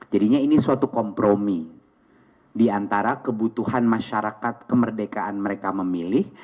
jadinya ini suatu kompromi diantara kebutuhan masyarakat kemerdekaan mereka memilih